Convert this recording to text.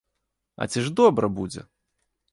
А ці ж добра будзе?!